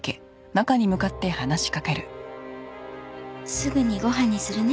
すぐにご飯にするね。